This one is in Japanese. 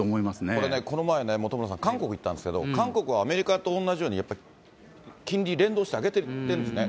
これね、この前、本村さん、韓国行ったんですけど、韓国はアメリカと同じようにやっぱり金利、連動して上げていってるんですね。